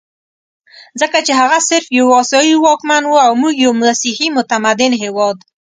ځکه چې هغه صرف یو اسیایي واکمن وو او موږ یو مسیحي متمدن هېواد.